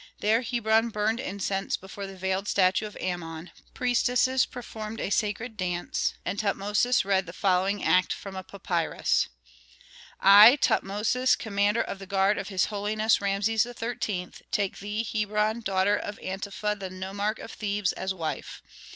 There Hebron burned incense before the veiled statue of Amon, priestesses performed a sacred dance, and Tutmosis read the following act from a papyrus: "I, Tutmosis, commander of the guard of his holiness Rameses XIII., take thee, Hebron, daughter of Antefa the nomarch of Thebes, as wife.